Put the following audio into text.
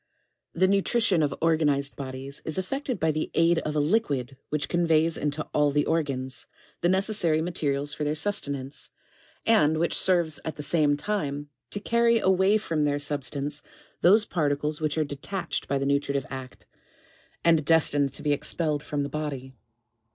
1 2. The nutrition of organised bodies is effected by the aid of a liquid which conveys into all the organs, the necessary ma terials for their sustenance, and which serves at the same time, to carry away from their substance those particles which are detached by the nutritive act, and destined to be expelled from the body.